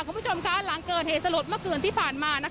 คุณผู้ชมคะหลังเกิดเหตุสลดเมื่อคืนที่ผ่านมา